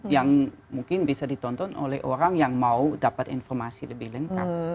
yang mungkin bisa ditonton oleh orang yang mau dapat informasi lebih lengkap